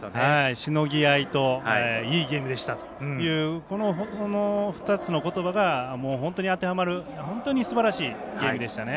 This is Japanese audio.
しのぎ合いといいゲームでしたというこの２つのことばが当てはまる本当にすばらしいゲームでしたね。